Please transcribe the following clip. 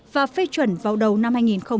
và phê chuẩn vào đầu năm hai nghìn một mươi chín